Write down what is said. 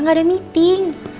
gak ada meeting